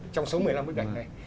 trong số một mươi năm bức ảnh này